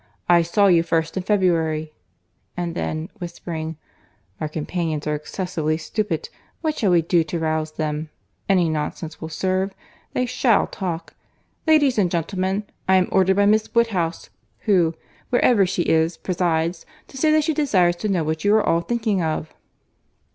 I saw you first in February." And then whispering—"Our companions are excessively stupid. What shall we do to rouse them? Any nonsense will serve. They shall talk. Ladies and gentlemen, I am ordered by Miss Woodhouse (who, wherever she is, presides) to say, that she desires to know what you are all thinking of?"